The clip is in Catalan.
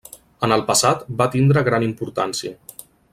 En el passat va tindre gran importància.